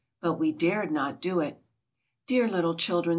but we dared not do it." "Dear little children!"